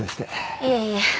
いえいえ。